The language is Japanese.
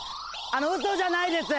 あのウソじゃないです！